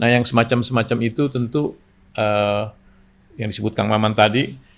yang semacam semacam itu tentu yang disebut kang maman tadi